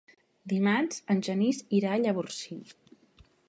Dimarts en Genís irà a Llavorsí.